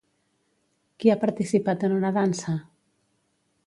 Qui ha participat en una dansa?